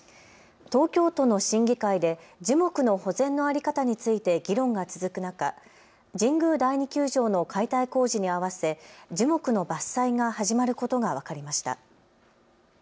東京都の審議会で樹木の保全の在り方について議論が続く中、神宮第二球場の解体工事に合わせ樹木の伐採が始まることが分かりました。